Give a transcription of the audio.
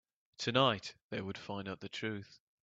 Tonight, they would find out the truth.